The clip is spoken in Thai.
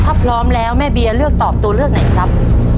ถ้าพร้อมแล้วแม่เบียเลือกตอบตัวเลือกไหนครับ